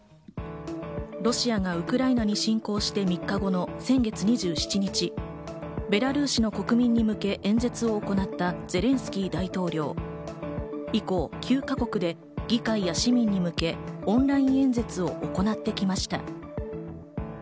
ロシアがウクライナに侵攻して３日後の先月２７日、ベラルーシの国民に向け、演説を行ったゼレンスキー大統領。以降９か国で議会や市民に向け、オンライン演説を行ってきました。